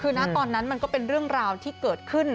คือนะตอนนั้นมันก็เป็นเรื่องราวที่เกิดขึ้น